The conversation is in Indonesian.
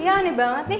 iya aneh banget nih